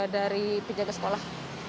dari penjaga sekolah